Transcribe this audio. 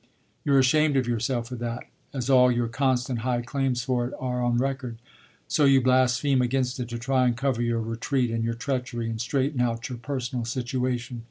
You're ashamed of yourself for that, as all your constant high claims for it are on record; so you blaspheme against it to try and cover your retreat and your treachery and straighten out your personal situation.